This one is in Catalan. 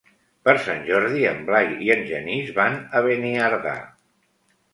Per Sant Jordi en Blai i en Genís van a Beniardà.